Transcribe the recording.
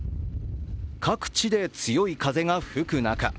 各地で強い風が吹く中